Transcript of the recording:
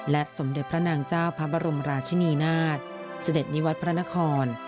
สมเด็จพระนางเจ้าพระบรมราชินีนาฏเสด็จนิวัตรพระนคร